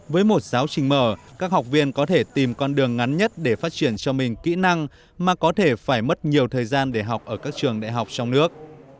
với một giáo trình mở các học viên có thể tìm con đường ngắn nhất để phát triển cho mình kỹ năng mà có thể phải mất nhiều thời gian để học ở các trường đại học trong nước